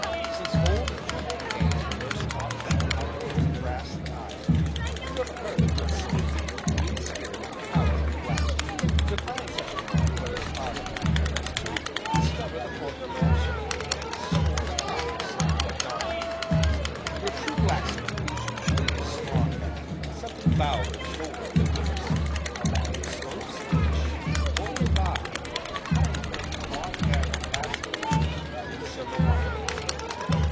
Since old Tubal Cain first taught man how to work in brass and iron, who ever heard of a sneaking, mean spirited, cowardly blacksmith? To find such an one were as hard a matter as to discover the Fourth Dimension, methinks, or the carcass of a dead donkey. Your true blacksmith is usually a strong man, something bowed of shoulder, perhaps; a man slow of speech, bold of eye, kindly of thought, and, lastly simple hearted.